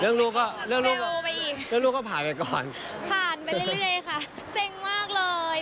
เรื่องรูปก็เรื่องรูปก็เรื่องรูปก็ผ่านไปก่อนผ่านไปเรื่อยเรื่อยค่ะเส้นมากเลย